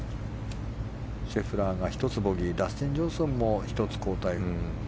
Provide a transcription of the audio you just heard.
シェフラーが１つボギーダスティン・ジョンソンも１つ後退。